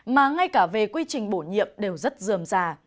mà ngay cả về quy trình bổ nhiệm đều rất dườm già